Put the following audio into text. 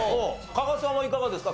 加賀さんはいかがですか？